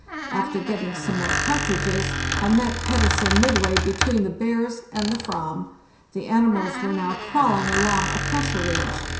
After getting some more cartridges I met Pettersen midway between the bears and the /vam. The animals were now crawling along a pressure ridge.